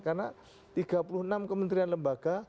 karena tiga puluh enam kementerian lembaga